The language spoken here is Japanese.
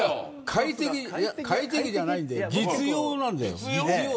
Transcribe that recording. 快適じゃないんだよ実用なんだよ。